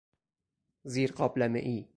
زیر قابلمه ای